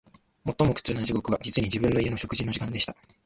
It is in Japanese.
最も苦痛な時刻は、実に、自分の家の食事の時間でした